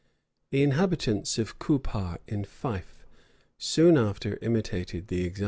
The inhabitants of Coupar, in Fife, soon after imitated the example.